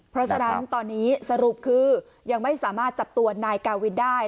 เพราะฉะนั้นตอนนี้สรุปคือยังไม่สามารถจับตัวนายกาวินได้